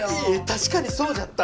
確かにそうじゃった。